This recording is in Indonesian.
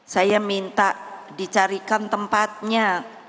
saya minta dicarikan tempatnya